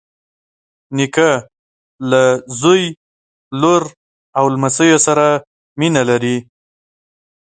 نیکه له زوی، لور او لمسیو سره مینه لري.